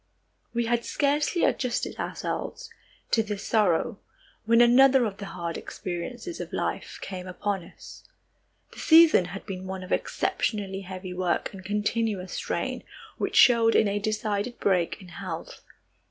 We had scarcely adjusted ourselves to this sorrow when another of the hard experiences of life came upon us. The season had been one of exceptionally heavy work and continuous strain, which showed in a decided break in health.